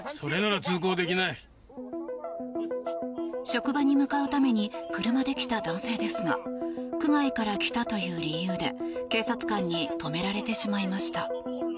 職場に向かうために車で来た男性ですが区外から来たという理由で警察官に止められてしまいました。